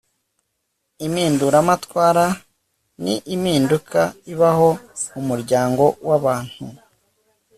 impinduramatwara ni impinduka ibaho mu muryango w'abantu